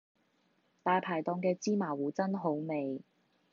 大排檔嘅芝麻糊真好味